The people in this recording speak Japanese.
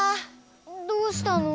どうしたの？